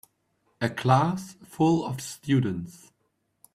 A class full of students.